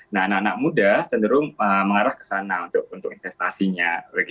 nah anak anak muda cenderung mengarah ke sana untuk investasinya